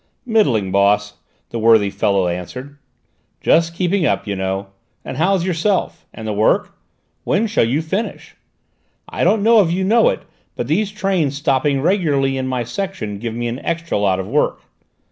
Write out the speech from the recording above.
"Middling, boss," the worthy fellow answered: "just keeping up, you know. And how's yourself? And the work? When shall you finish? I don't know if you know it, but these trains stopping regularly in my section give me an extra lot of work."